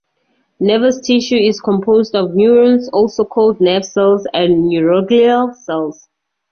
Nervous tissue is composed of neurons, also called nerve cells, and neuroglial cells.